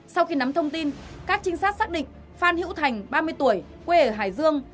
sau khi nắm thông tin các trinh sát xác định phan hữu thành ba mươi tuổi quê ở hải dương